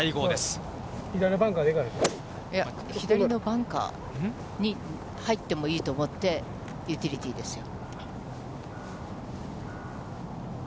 いや、左のバンカーに入ってもいいと思って、ユーティリティーですよ。